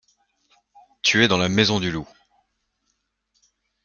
Tu es dans la maison du loup.